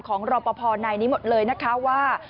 ของรอบพอร์ในนี้หมดเลยนะคะว่า